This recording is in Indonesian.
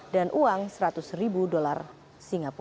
dan uang rp seratus singapura